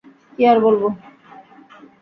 কী আর বলবো?